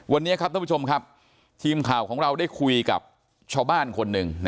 วันนี้ครับท่านผู้ชมครับทีมข่าวของเราได้คุยกับชาวบ้านคนหนึ่ง